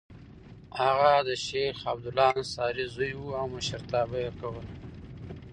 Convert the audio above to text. هغه د شیخ عبدالله انصاري زوی و او مشرتابه یې کوله.